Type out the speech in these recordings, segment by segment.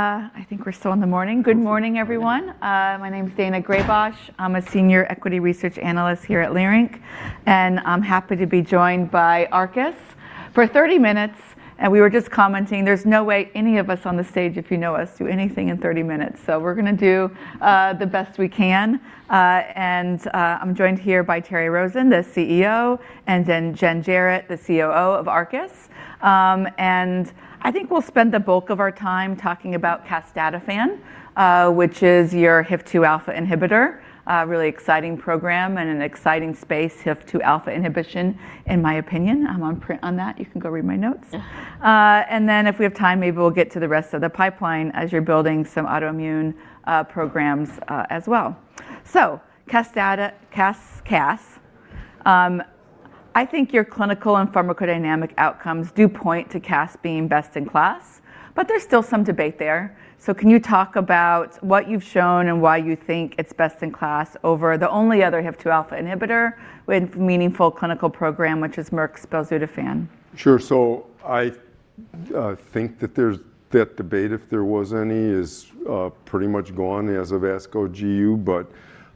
I think we're still in the morning. Good morning, everyone. My name is Daina Graybosch. I'm a Senior Equity Research Analyst here at Leerink, and I'm happy to be joined by Arcus for 30 minutes. We were just commenting, there's no way any of us on the stage, if you know us, do anything in 30 minutes. We're gonna do the best we can. I'm joined here by Terry Rosen, the CEO, and then Jen Jarrett, the COO of Arcus. I think we'll spend the bulk of our time talking about casdatifan, which is your HIF-2α inhibitor. Really exciting program and an exciting space, HIF-2α inhibition, in my opinion. I'm on that. You can go read my notes. If we have time, maybe we'll get to the rest of the pipeline as you're building some autoimmune programs as well. I think your clinical and pharmacodynamic outcomes do point to Cas being best in class, but there's still some debate there. Can you talk about what you've shown and why you think it's best in class over the only other HIF-2α inhibitor with meaningful clinical program, which is Merck's belzutifan? Sure. I think that there's that debate, if there was any, is pretty much gone as of ASCO GU.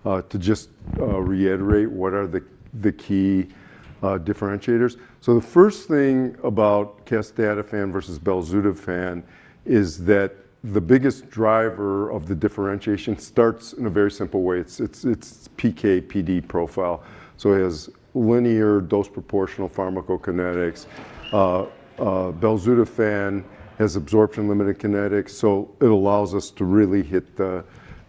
To just reiterate what are the key differentiators. The first thing about casdatifan versus belzutifan is that the biggest driver of the differentiation starts in a very simple way. It's PK/PD profile. It has linear dose proportional pharmacokinetics. Belzutifan has absorption-limited kinetics, so it allows us to really hit the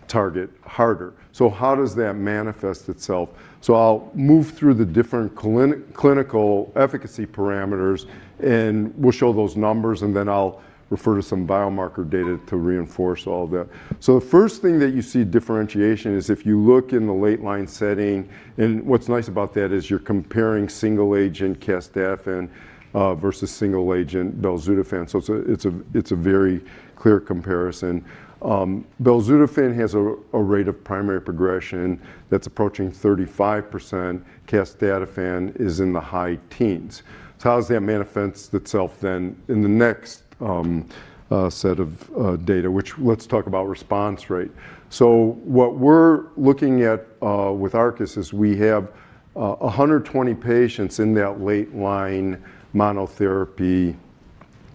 target harder. How does that manifest itself? I'll move through the different clinical efficacy parameters, and we'll show those numbers, and then I'll refer to some biomarker data to reinforce all that. The first thing that you see differentiation is if you look in the late-line setting, and what's nice about that is you're comparing single-agent casdatifan versus single-agent belzutifan. It's a very clear comparison. belzutifan has a rate of primary progression that's approaching 35%. casdatifan is in the high teens. How does that manifest itself then in the next set of data? Which let's talk about response rate. What we're looking at with Arcus is we have 120 patients in that late line monotherapy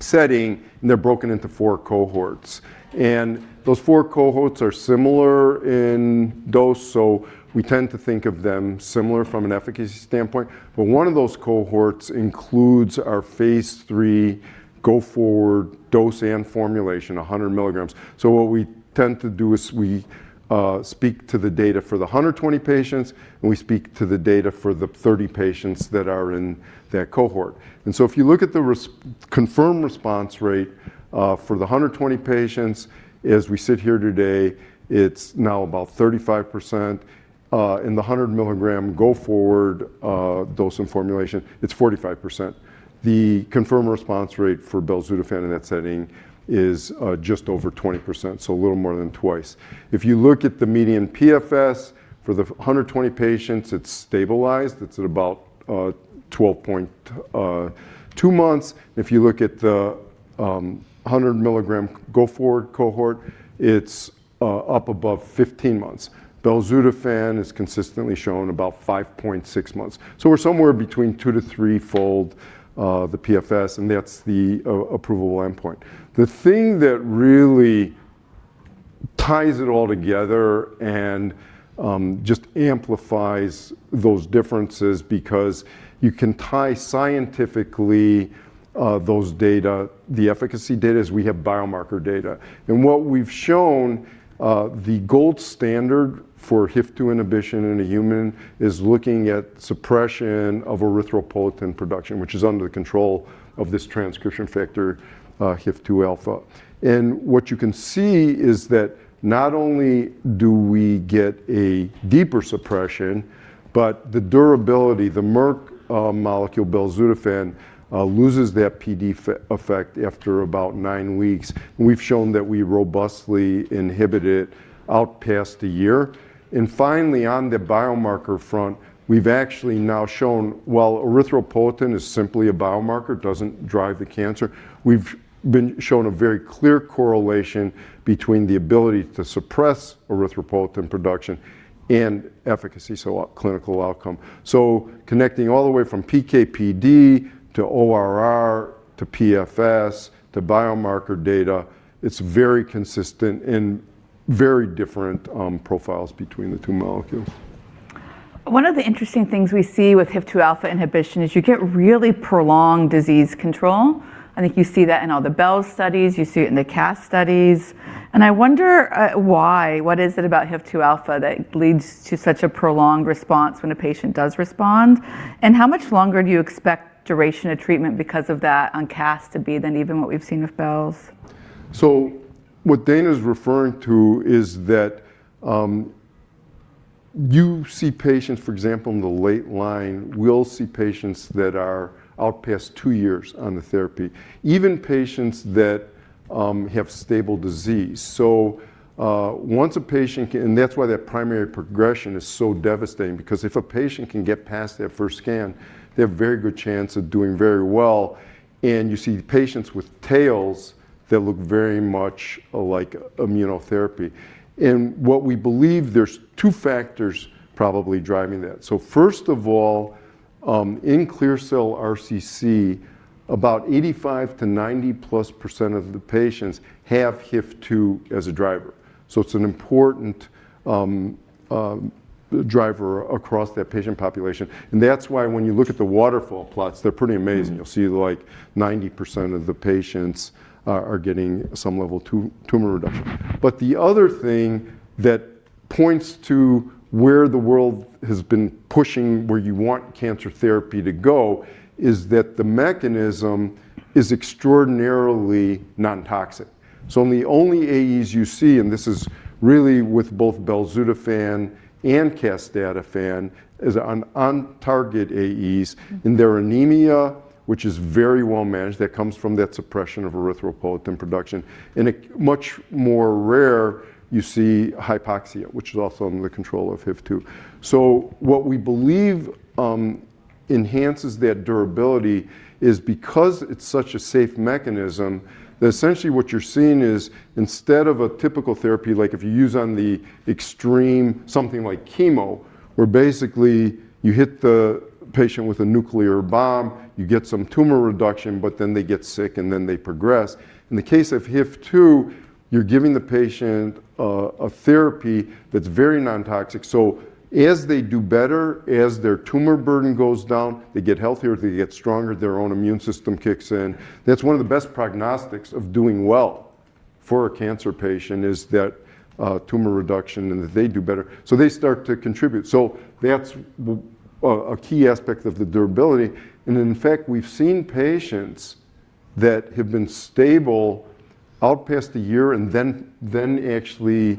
setting, and they're broken into four cohorts. Those four cohorts are similar in dose, so we tend to think of them similar from an efficacy standpoint. One of those cohorts includes our phase III go-forward dose and formulation, 100 milligrams. What we tend to do is we speak to the data for the 120 patients, and we speak to the data for the 30 patients that are in that cohort. If you look at the confirmed response rate for the 120 patients, as we sit here today, it's now about 35%. In the 100 milligram go forward dose and formulation, it's 45%. The confirmed response rate for belzutifan in that setting is just over 20%, so a little more than twice. If you look at the median PFS for the 120 patients, it's stabilized. It's at about 12.2 months. If you look at the 100 milligram go forward cohort, it's up above 15 months. Belzutifan is consistently shown about 5.6 months. We're somewhere between two-three-fold the PFS, and that's the approval endpoint. The thing that really ties it all together and just amplifies those differences because you can tie scientifically those data, the efficacy data, is we have biomarker data. What we've shown, the gold standard for HIF-2 inhibition in a human is looking at suppression of erythropoietin production, which is under the control of this transcription factor, HIF-2α. What you can see is that not only do we get a deeper suppression, but the durability, the Merck molecule belzutifan loses that PD effect after about nine weeks. We've shown that we robustly inhibit it out past one year. Finally, on the biomarker front, we've actually now shown while erythropoietin is simply a biomarker, doesn't drive the cancer, we've been shown a very clear correlation between the ability to suppress erythropoietin production and efficacy, so a clinical outcome. Connecting all the way from PK/PD to ORR to PFS to biomarker data, it's very consistent and very different, profiles between the two molecules. One of the interesting things we see with HIF-2α inhibition is you get really prolonged disease control. I think you see that in all the Bel studies, you see it in the Cas studies. I wonder, why, what is it about HIF-2α that leads to such a prolonged response when a patient does respond? How much longer do you expect duration of treatment because of that on Cas to be than even what we've seen with Bel's? What Daina Graybosch is referring to is that, You see patients, for example, in the late line, we'll see patients that are out past two years on the therapy even patients that have stable disease. Once a patient. That's why that primary progression is so devastating because if a patient can get past that first scan they have a very good chance of doing very well and you see patients with tails that look very much like immunotherapy. What we believe, there's two factors probably driving that. First of all, in clear cell RCC about 85%-90%+ of the patients have HIF-2 as a driver. It's an important driver across that patient population. That's why when you look at the waterfall plots, they're pretty amazing. You'll see like 90% of the patients are getting some level tumor reduction. The other thing that points to where the world has been pushing, where you want cancer therapy to go is that the mechanism is extraordinarily non-toxic. In the only AEs you see, and this is really with both belzutifan and casdatifan is on target AEs. In their anemia, which is very well managed, that comes from that suppression of erythropoietin production. A much more rare, you see hypoxia, which is also under the control of HIF-2. What we believe enhances that durability is because it's such a safe mechanism that essentially what you're seeing is instead of a typical therapy like if you use on the extreme something like chemo, where basically you hit the patient with a nuclear bomb, you get some tumor reduction, but then they get sick, and then they progress. In the case of HIF-2, you're giving the patient a therapy that's very non-toxic. As they do better, as their tumor burden goes down, they get healthier, they get stronger, their own immune system kicks in. That's one of the best prognostics of doing well for a cancer patient, is that tumor reduction and that they do better. They start to contribute. That's a key aspect of the durability. In fact, we've seen patients that have been stable out past a year and then actually,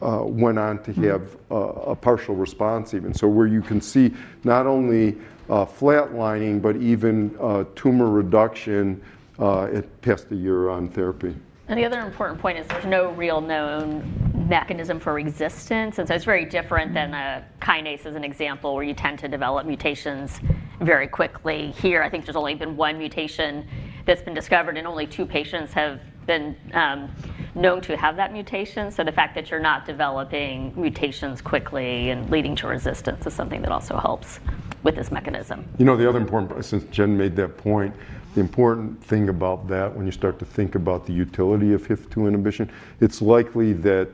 went on to have a partial response even. Where you can see not only a flat lining, but even tumor reduction past a year on therapy. The other important point is there's no real known mechanism for resistance. It's very different than a kinase as an example where you tend to develop mutations very quickly. Here, I think there's only been one mutation that's been discovered, and only two patients have been known to have that mutation. The fact that you're not developing mutations quickly and leading to resistance is something that also helps with this mechanism. You know, the other important thing about that when you start to think about the utility of HIF-2 inhibition, it's likely that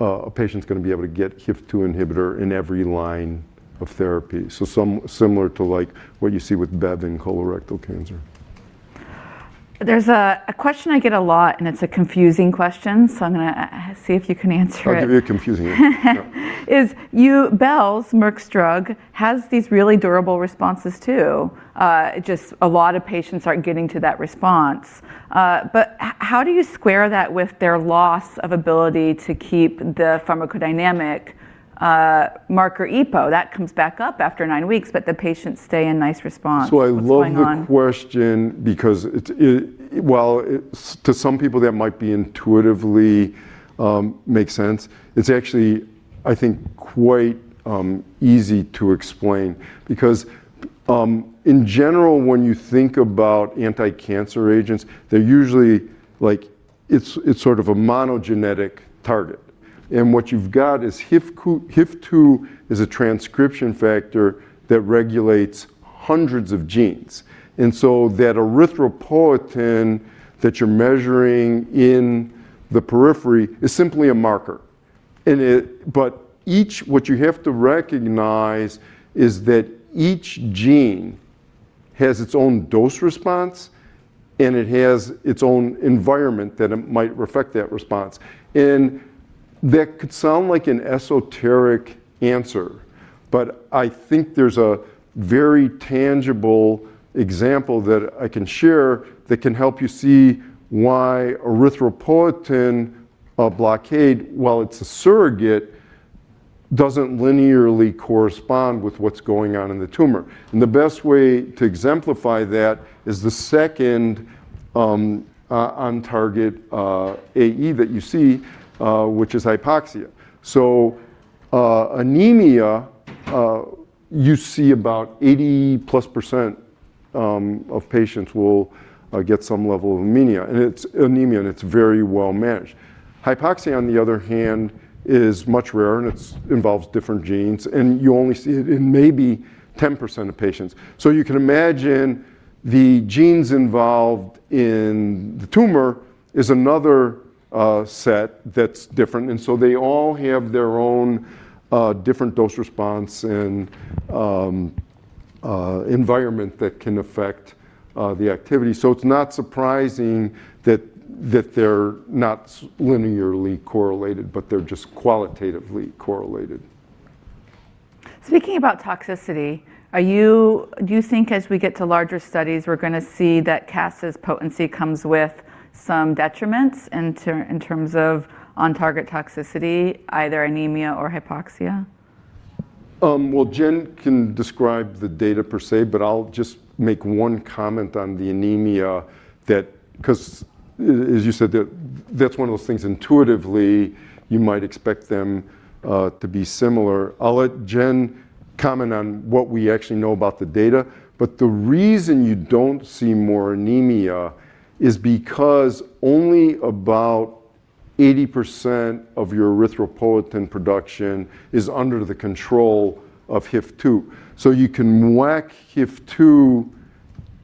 a patient's gonna be able to get HIF-2 inhibitor in every line of therapy, similar to like what you see with Bev in colorectal cancer. There's a question I get a lot, and it's a confusing question, so I'm gonna see if you can answer it. I'll give you a confusing answer. Yeah. Bel's, Merck's drug, has these really durable responses too. Just a lot of patients aren't getting to that response. How do you square that with their loss of ability to keep the pharmacodynamic marker EPO? That comes back up after nine weeks, but the patients stay in nice response. What's going on? I love the question because it to some people, that might be intuitively make sense. It's actually, I think, quite easy to explain because in general, when you think about anticancer agents, they're usually like it's sort of a monogenic target. What you've got is HIF-2 is a transcription factor that regulates hundreds of genes. That erythropoietin that you're measuring in the periphery is simply a marker. What you have to recognize is that each gene has its own dose response, and it has its own environment that might reflect that response. That could sound like an esoteric answer, but I think there's a very tangible example that I can share that can help you see why erythropoietin blockade, while it's a surrogate, doesn't linearly correspond with what's going on in the tumor. The best way to exemplify that is the second on target AE that you see, which is hypoxia. Anemia, you see about 80%+ of patients will get some level of anemia, and it's anemia, and it's very well managed. Hypoxia, on the other hand, is much rarer, and it's involves different genes, and you only see it in maybe 10% of patients. You can imagine the genes involved in the tumor is another set that's different. They all have their own, different dose response and environment that can affect the activity. It's not surprising that they're not linearly correlated, but they're just qualitatively correlated. Speaking about toxicity, do you think as we get to larger studies, we're gonna see that CAS's potency comes with some detriments in terms of on-target toxicity, either anemia or hypoxia? Well, Jen can describe the data per se, I'll just make one comment on the anemia that as you said, that's one of those things intuitively you might expect them to be similar. I'll let Jen comment on what we actually know about the data. The reason you don't see more anemia is because only about 80% of your erythropoietin production is under the control of HIF-2. You can whack HIF-2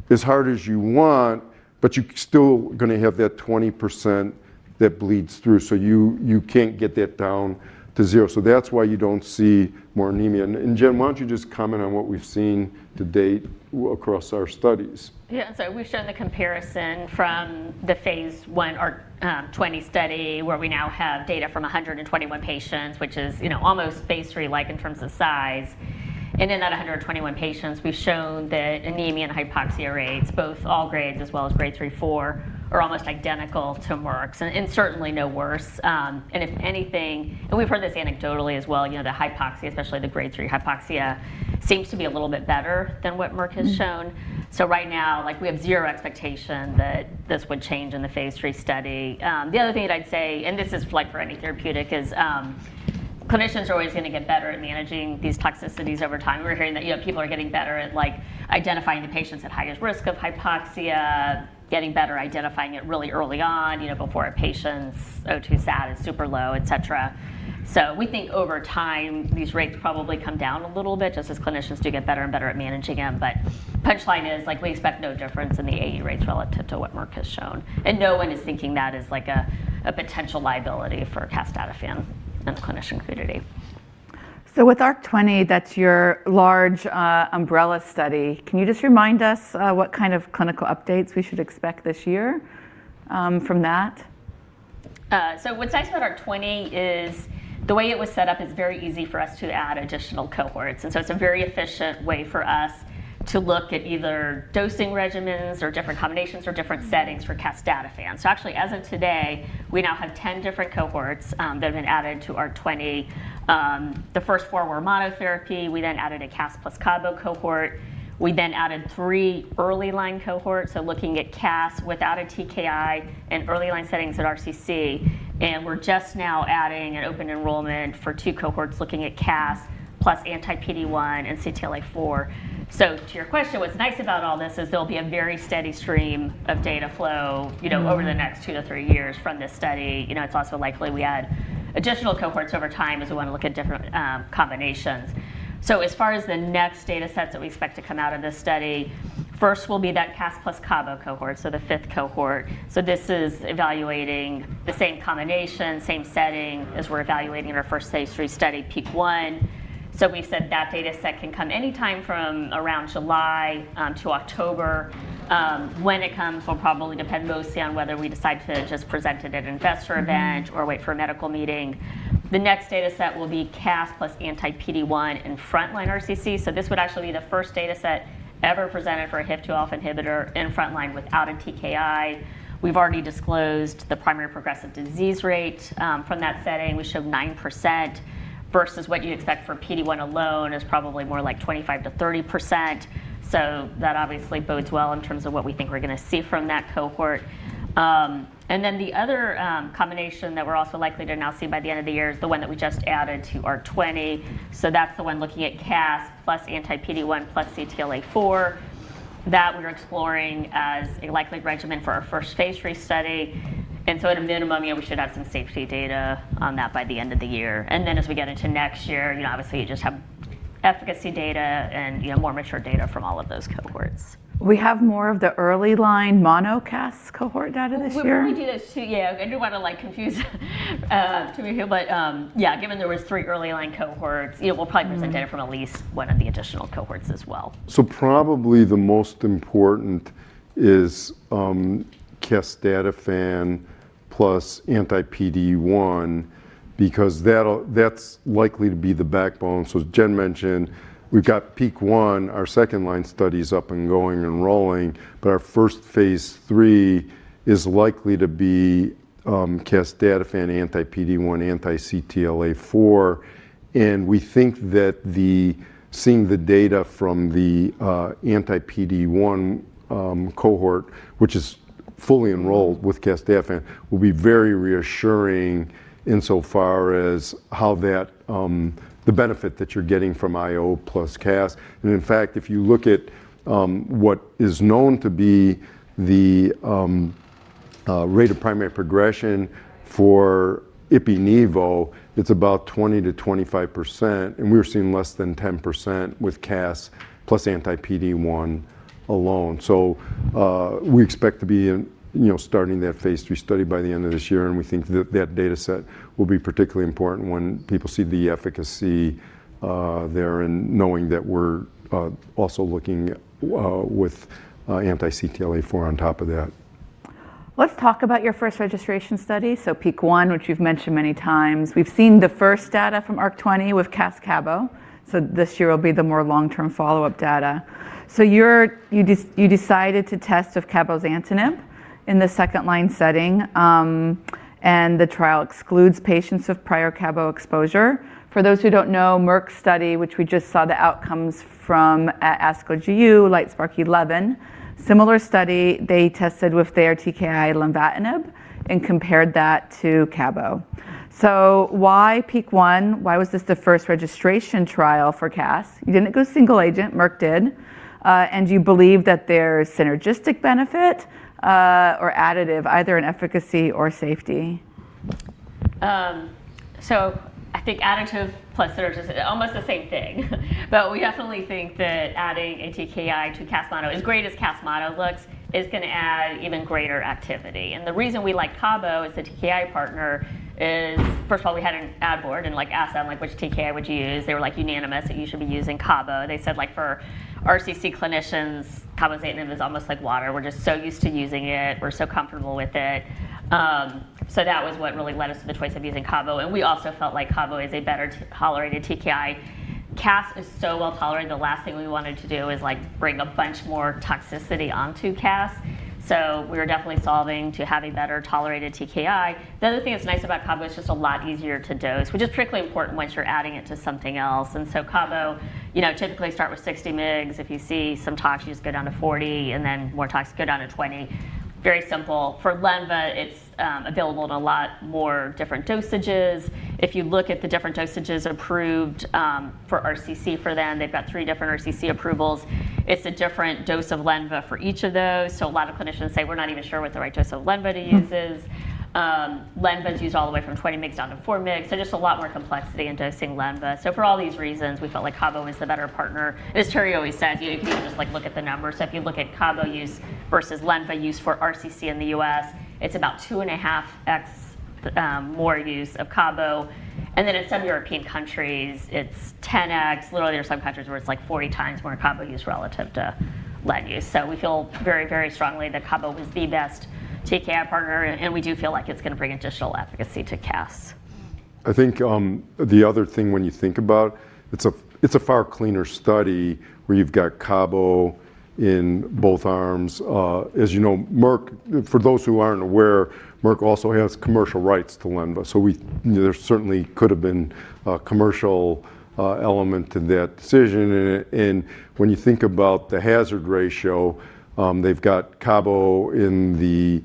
as hard as you want, but you're still gonna have that 20% that bleeds through. You can't get that down to zero. That's why you don't see more anemia. Jen, why don't you just comment on what we've seen to date across our studies? Yeah. We've shown the comparison from the phase I, ARC-20 study, where we now have data from 121 patients, which is, you know, almost phase III like in terms of size. In that 121 patients, we've shown that anemia and hypoxia rates, both all grades as well as Grade three, four, are almost identical to Merck's and certainly no worse. If anything, we've heard this anecdotally as well, you know, the hypoxia, especially the Grade three hypoxia seems to be a little bit better than what Merck has shown. Mm-hmm. Right now, like, we have zero expectation that this would change in the phase III study. The other thing that I'd say, and this is like for any therapeutic, is, clinicians are always gonna get better at managing these toxicities over time. We're hearing that, you know, people are getting better at, like, identifying the patients at highest risk of hypoxia, getting better identifying it really early on, you know, before a patient's O2 sat is super low, et cetera. We think over time, these rates probably come down a little bit just as clinicians do get better at managing them. Punchline is, like, we expect no difference in the AE rates relative to what Merck has shown. No one is thinking that as like a potential liability for casdatifan in the clinician community. With ARC-20, that's your large umbrella study. Can you just remind us what kind of clinical updates we should expect this year from that? What's nice about ARC-20 is the way it was set up is very easy for us to add additional cohorts. It's a very efficient way for us to look at either dosing regimens or different combinations or different settings for casdatifan. As of today, we now have 10 different cohorts that have been added to ARC-20. The first four were monotherapy. We added a CAS plus cabo cohort. We added three early line cohorts, so looking at CAS without a TKI in early line settings at RCC. We're just now adding an open enrollment for two cohorts looking at CAS plus anti-PD-1 and CTLA-4. What's nice about all this is there'll be a very steady stream of data flow Mm-hmm You know, over the next two to three years from this study. You know, it's also likely we add additional cohorts over time as we wanna look at different combinations. As far as the next datasets that we expect to come out of this study, first will be that Cas plus cabo cohort, so the fifth cohort. This is evaluating the same combination, same setting as we're evaluating our first phase III study, PEAK-1. We've said that dataset can come any time from around July to October. When it comes will probably depend mostly on whether we decide to just present it at Investor Event. Mm-hmm Or wait for a medical meeting. The next dataset will be Cas plus anti-PD-1 in frontline RCC. This would actually be the first dataset ever presented for a HIF-2α inhibitor in frontline without a TKI. We've already disclosed the primary progressive disease rate from that setting, which showed 9% versus what you'd expect for PD-1 alone is probably more like 25%-30%. That obviously bodes well in terms of what we think we're gonna see from that cohort. The other combination that we're also likely to now see by the end of the year is the one that we just added to ARC-20. That's the one looking at Cas plus anti-PD-1 plus CTLA-4. That we're exploring as a likely regimen for our first phase III study. At a minimum, you know, we should have some safety data on that by the end of the year. As we get into next year, you know, obviously, you just have efficacy data and, you know, more mature data from all of those cohorts. Will we have more of the early line mono Cas cohort data this year? We do this too, yeah. I do wanna, like, confuse too here. Yeah, given there was three early line cohorts, yeah, Mm-hmm Data from at least one of the additional cohorts as well. Probably the most important is casdatifan plus anti-PD-1 because that's likely to be the backbone. As Jen mentioned, we've got PEAK-1, our second line study's up and going and rolling, but our first phase III is likely to be casdatifan, anti-PD-1, anti-CTLA-4. We think that seeing the data from the anti-PD-1 cohort, which is fully enrolled with Cas, will be very reassuring insofar as how that the benefit that you're getting from IO plus Cas. In fact, if you look at what is known to be the rate of primary progression for ipi/nivo, it's about 20%-25%, and we're seeing less than 10% with Cas plus anti-PD-1 alone. We expect to be in, you know, starting that phase III study by the end of this year, and we think that that dataset will be particularly important when people see the efficacy there and knowing that we're also looking with anti-CTLA-4 on top of that. Let's talk about your first registration study, PEAK-1, which you've mentioned many times. We've seen the first data from ARC-20 with Cas-cabo, this year will be the more long-term follow-up data. You're, you decided to test of cabozantinib in the second line setting, and the trial excludes patients of prior cabo exposure. For those who don't know, Merck's study, which we just saw the outcomes from at ASCO GU, LITESPARK-011, similar study, they tested with their TKI lenvatinib and compared that to cabo. Why PEAK-1? Why was this the first registration trial for Cas? You didn't go single agent, Merck did. Do you believe that there's synergistic benefit, or additive, either in efficacy or safety? I think additive plus synergistic are almost the same thing. We definitely think that adding a TKI to cas mono as great as cas mono looks, is going to add even greater activity. The reason we like cabo as the TKI partner is, first of all, we had an ad board and, like, asked them, like, "Which TKI would you use?" They were, like, unanimous that you should be using cabo. They said, like, for RCC clinicians, cabozantinib is almost like water. We're just so used to using it. We're so comfortable with it. That was what really led us to the choice of using cabo, and we also felt like cabo is a better-tolerated TKI. Cas is so well-tolerated, the last thing we wanted to do is, like, bring a bunch more toxicity onto Cas. We were definitely solving to have a better-tolerated TKI. The other thing that's nice about cabo, it's just a lot easier to dose, which is critically important once you're adding it to something else. cabo, you know, typically start with 60 mgs. If you see some tox, you just go down to 40, and then more tox, go down to 20. Very simple. For lenva, it's available in a lot more different dosages. If you look at the different dosages approved for RCC for them, they've got three different RCC approvals. It's a different dose of lenva for each of those, so a lot of clinicians say we're not even sure what the right dose of lenva to use is. Lenva's used all the way from 20 mgs down to 4 mgs, so just a lot more complexity in dosing lenva. For all these reasons, we felt like cabo was the better partner. As Terry Rosen always says, you can just, like, look at the numbers. If you look at cabo use versus lenva use for RCC in the U.S., it's about 2.5x more use of cabo. In some European countries, it's 10x. Literally, there are some countries where it's, like, 40 times more cabo use relative to len use. We feel very, very strongly that cabo was the best TKI partner, and we do feel like it's gonna bring additional efficacy to Cas. I think, the other thing when you think about, it's a, it's a far cleaner study where you've got cabo in both arms. As you know, Merck For those who aren't aware, Merck also has commercial rights to lenva, there certainly could have been a commercial element to that decision. When you think about the hazard ratio, they've got cabo in the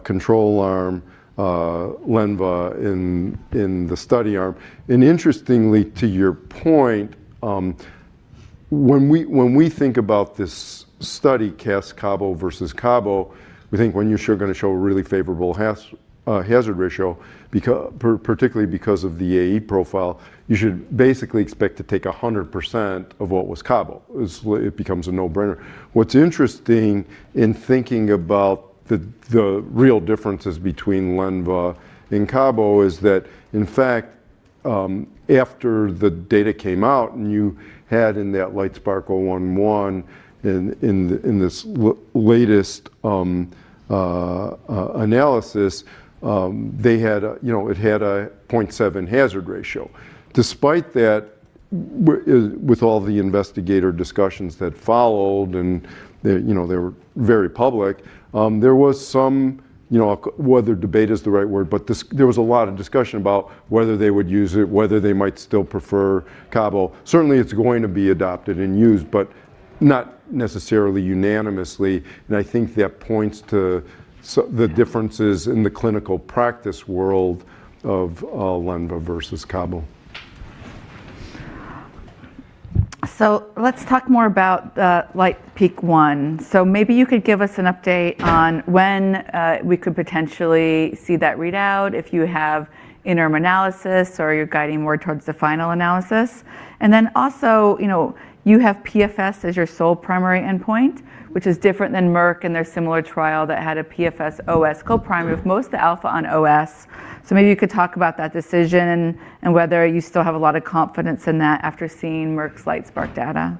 control arm, lenva in the study arm. Interestingly, to your point, when we think about this study, Cas cabo versus cabo, we think when you're sure gonna show a really favorable hazard ratio particularly because of the AE profile, you should basically expect to take 100% of what was cabo. It becomes a no-brainer. What's interesting in thinking about the real differences between lenva and cabo is that, in fact, after the data came out and you had in that LITESPARK-011 in this latest analysis, they had a you know, it had a 0.7 hazard ratio. Despite that, with all the investigator discussions that followed and the, you know, they were very public, there was some you know, whether debate is the right word, but there was a lot of discussion about whether they would use it, whether they might still prefer cabo. Certainly, it's going to be adopted and used, but not necessarily unanimously. I think that points to the differences in the clinical practice world of lenva versus cabo. Let's talk more about, like, PEAK-1. Maybe you could give us an update on when we could potentially see that readout, if you have interim analysis or you're guiding more towards the final analysis. And then also, you know, you have PFS as your sole primary endpoint, which is different than Merck and their similar trial that had a PFS OS co-primary with most of the alpha on OS. Maybe you could talk about that decision and whether you still have a lot of confidence in that after seeing Merck's LITESPARK-011 data.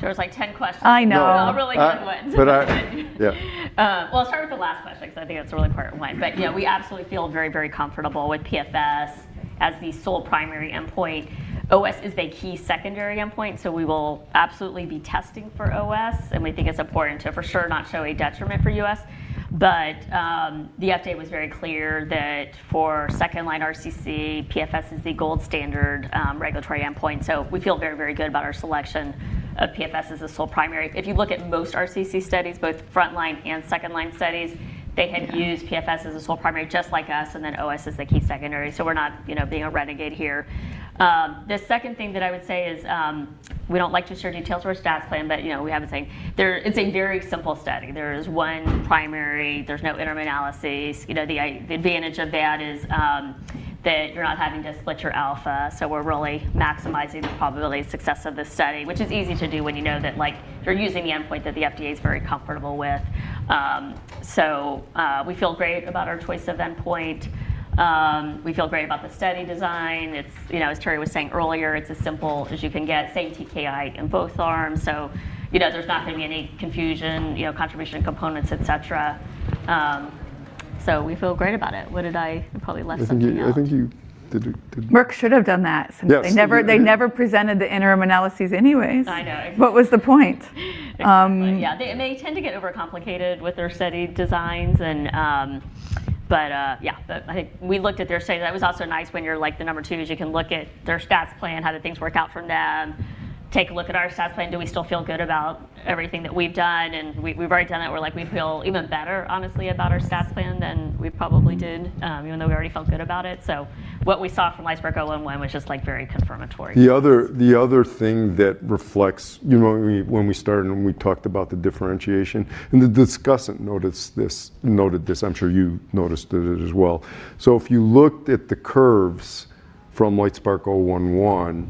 There was like 10 questions. I know. All really good ones. I, Yeah. Well, I'll start with the last question 'cause I think that's a really important one. Yeah, we absolutely feel very, very comfortable with PFS as the sole primary endpoint. OS is a key secondary endpoint, so we will absolutely be testing for OS, and we think it's important to for sure not show a detriment for U.S. The update was very clear that for second-line RCC, PFS is the gold standard regulatory endpoint. We feel very, very good about our selection of PFS as the sole primary. If you look at most RCC studies, both front line and second line studies, they had used PFS as the sole primary just like us, and then OS as the key secondary. We're not, you know, being a renegade here. The second thing that I would say is, we don't like to share details of our stats plan, but, you know, we have a saying. It's a very simple study. There is one primary, there's no interim analyses. You know, the advantage of that is that you're not having to split your alpha, so we're really maximizing the probability of success of this study, which is easy to do when you know that, like, you're using the endpoint that the FDA is very comfortable with. We feel great about our choice of endpoint. We feel great about the study design. It's, you know, as Terry was saying earlier, it's as simple as you can get. Same TKI in both arms. You know, there's not gonna be any confusion, you know, contribution of components, et cetera. We feel great about it. What did I? I probably left something out. I think you. Did you? Merck should have done that since- Yes. They never presented the interim analyses anyways. I know. What was the point? Exactly, yeah. They tend to get overcomplicated with their study designs and. Yeah. I think we looked at their study. That was also nice when you're like the number twos, you can look at their stats plan, how did things work out from them, take a look at our stats plan. Do we still feel good about everything that we've done? We've already done that, we're like, we feel even better honestly about our stats plan than we probably did, even though we already felt good about it. What we saw from LITESPARK-011 was just like very confirmatory. The other thing that reflects, you know, when we started and we talked about the differentiation, and the discussant noticed this, noted this. I'm sure you noticed it as well. If you looked at the curves from LITESPARK-011,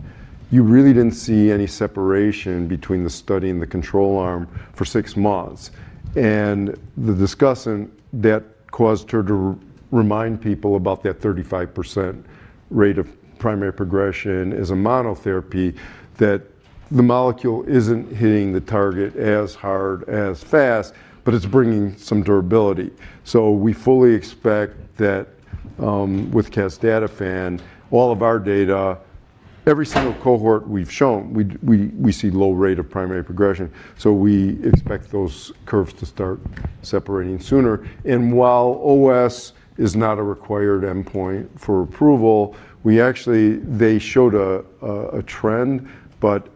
you really didn't see any separation between the study and the control arm for six months. The discussant, that caused her to remind people about that 35% rate of primary progression as a monotherapy that the molecule isn't hitting the target as hard, as fast, but it's bringing some durability. We fully expect that, with casdatifan, all of our data, every single cohort we've shown, we see low rate of primary progression. We expect those curves to start separating sooner. While OS is not a required endpoint for approval, we actually they showed a trend, but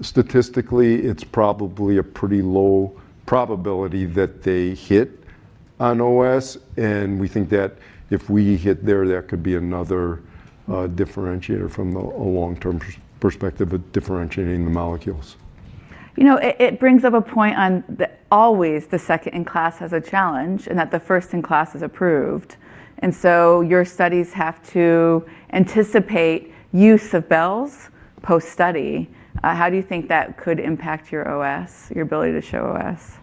statistically it's probably a pretty low probability that they hit on OS, and we think that if we hit there could be another differentiator from the a long-term perspective of differentiating the molecules. You know, it brings up a point always the second in class has a challenge and that the first in class is approved, and so your studies have to anticipate use of Bel's post-study. How do you think that could impact your OS, your ability to show OS?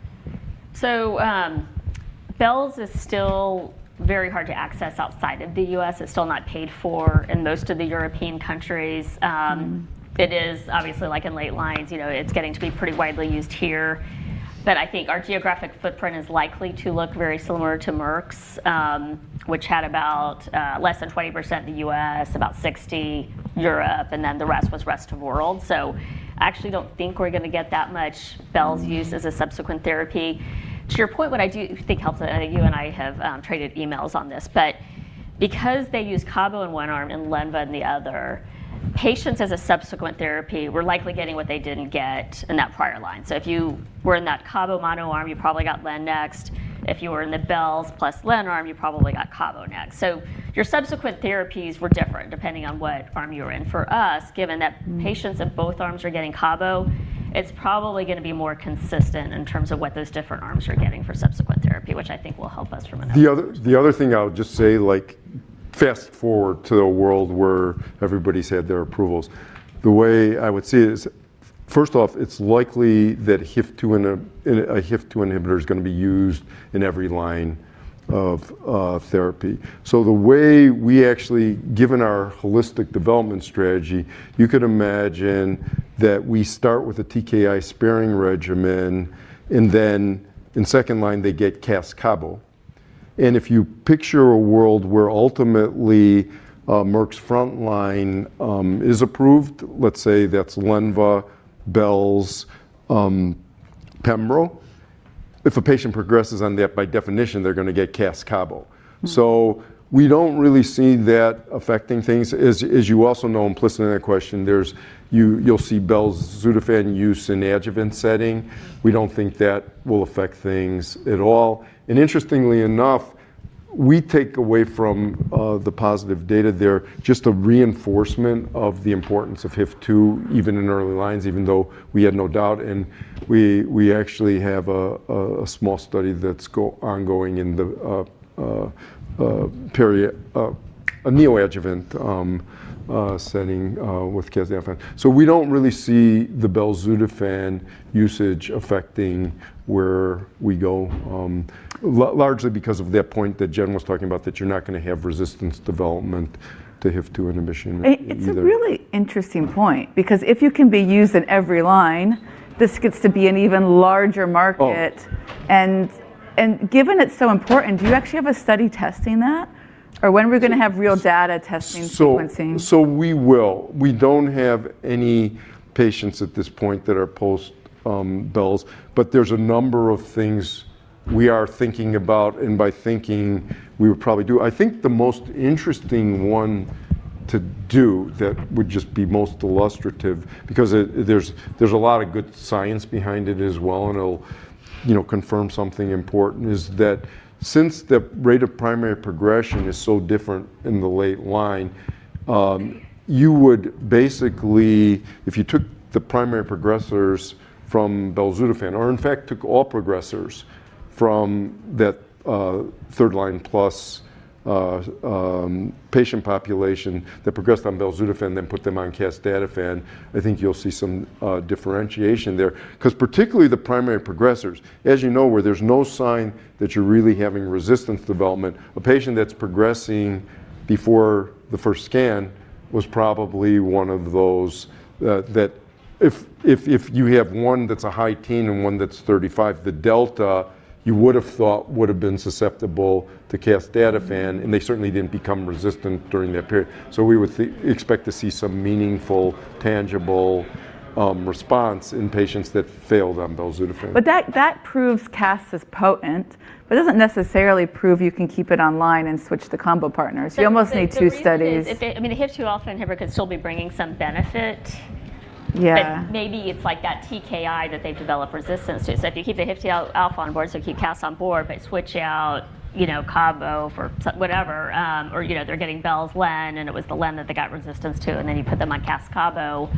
Bel's is still very hard to access outside of the U.S. It's still not paid for in most of the European countries. It is obviously like in late lines, you know, it's getting to be pretty widely used here. I think our geographic footprint is likely to look very similar to Merck's, which had about less than 20% the U.S., about 60 Europe, and then the rest was rest of world. I actually don't think we're gonna get that much Bel's use as a subsequent therapy. To your point, what I do think helps, I know you and I have traded emails on this, but because they use cabo in one arm and lenva in the other, patients as a subsequent therapy were likely getting what they didn't get in that prior line. If you were in that cabo mono arm, you probably got len next. If you were in the Bel's plus len arm, you probably got cabo next. Your subsequent therapies were different depending on what arm you were in. For us, given that patients of both arms are getting cabo, it's probably gonna be more consistent in terms of what those different arms are getting for subsequent therapy, which I think will help us. The other, the other thing I'll just say, like fast-forward to a world where everybody's had their approvals. The way I would see it is first off, it's likely that HIF-2 and a HIF-2 inhibitor is gonna be used in every line of therapy. The way we given our holistic development strategy, you could imagine that we start with a TKI-sparing regimen, then in second line they get Cas cabo. If you picture a world where ultimately Merck's front line is approved, let's say that's lenva, Bel's, pembro. If a patient progresses on that, by definition they're gonna get Cas cabo. Mm-hmm. We don't really see that affecting things. As you also know implicit in that question, you'll see Bel's belzutifan use in adjuvant setting. We don't think that will affect things at all. Interestingly enough, we take away from the positive data there, just a reinforcement of the importance of HIF-2, even in early lines, even though we had no doubt and we actually have a small study that's ongoing in the period, a neoadjuvant setting with casdatifan. We don't really see the Bel belzutifan usage affecting where we go, largely because of that point that Jen was talking about, that you're not gonna have resistance development to HIF-2 inhibition either. It's a really interesting point because if you can be used in every line, this gets to be an even larger market. Oh. Given it's so important, do you actually have a study testing that? When are we going to have real data testing sequencing? We will. We don't have any patients at this point that are post, Bel's, but there's a number of things we are thinking about and by thinking, we would probably do. I think the most interesting one to do that would just be most illustrative because it, there's a lot of good science behind it as well and it'll, you know, confirm something important, is that since the rate of primary progression is so different in the late line, you would basically, if you took the primary progressors from belzutifan or in fact took all progressors from that third line plus patient population that progressed on belzutifan then put them on casdatifan, I think you'll see some differentiation there. 'Cause particularly the primary progressors, as you know, where there's no sign that you're really having resistance development, a patient that's progressing before the first scan was probably one of those that if you have one that's a high teen and one that's 35, the delta you would've thought would've been susceptible to casdatifan and they certainly didn't become resistant during that period. We would expect to see some meaningful tangible response in patients that failed on belzutifan. That proves Cas is potent, but it doesn't necessarily prove you can keep it online and switch to combo partners. You almost need two studies. The reason is I mean, the HIF-2α inhibitor could still be bringing some benefit. Yeah. Maybe it's like that TKI that they've developed resistance to. If you keep the HIF-2α on board, so keep Cas on board, but switch out, you know, cabo for whatever, or, you know, they're getting Belslen and it was the len that they got resistance to and then you put them on Cas cabo,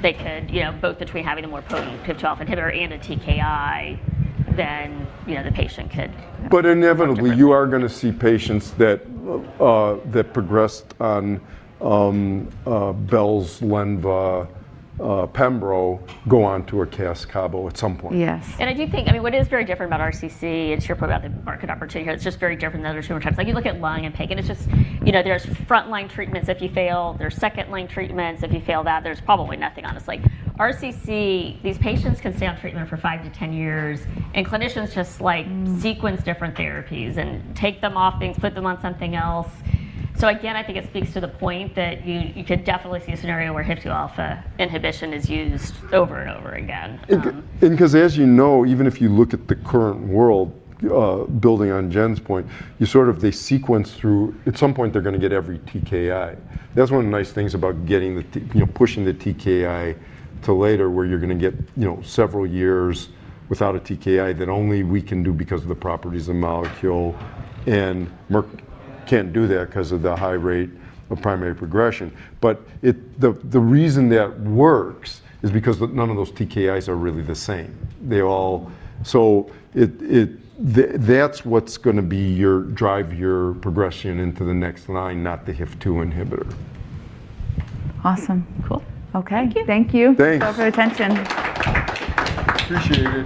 they could, you know, both between having a more potent HIF-2 inhibitor and a TKI than, you know, the patient could- inevitably you are gonna see patients that progressed on Belslenva pembro go on to a Cas cabo at some point. Yes. I mean, what is very different about RCC and shirpa about the market opportunity here, it's just very different than other tumor types. Like, you look at lung and pancreatic, it's just, you know, there's frontline treatments if you fail, there's second-line treatments if you fail that, there's probably nothing on it. It's like RCC, these patients can stay on treatment for five to 10 years and clinicians just like sequence different therapies and take them off things, put them on something else. Again, I think it speaks to the point that you could definitely see a scenario where HIF-2α inhibition is used over and over again. 'Cause as you know, even if you look at the current world, building on Jen's point, you sort of, they sequence through. At some point they're gonna get every TKI. That's one of the nice things about getting the, you know, pushing the TKI to later where you're gonna get, you know, several years without a TKI that only we can do because of the properties of the molecule, and Merck can't do that 'cause of the high rate of primary progression. It, the reason that works is because none of those TKIs are really the same. They all. That's what's gonna be your, drive your progression into the next line, not the HIF-2 inhibitor. Awesome. Cool. Okay. Thank you. Thank you. Thanks for all for your attention. Appreciate it.